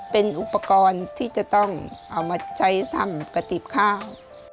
เป็นอุปกรณ์ที่จะต้องเอามาใช้ทำกระติบข้าว